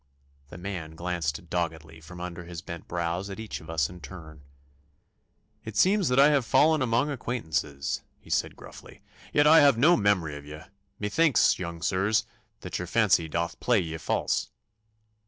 The man glanced doggedly from under his bent brows at each of us in turn. 'It seems that I have fallen among acquaintances,' he said gruffly; 'yet I have no memory of ye. Methinks, young sirs, that your fancy doth play ye false.